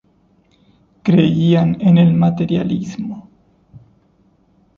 Creían en el materialismo.